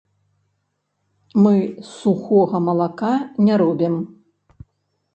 Мы сухога малака не робім.